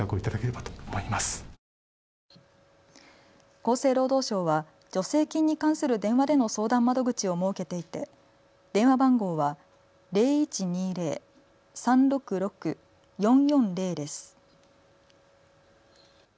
厚生労働省は助成金に関する電話での相談窓口を設けていて電話番号は０１２０−３６６−４４０です。